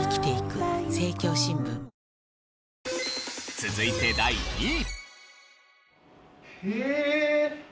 続いて第２位。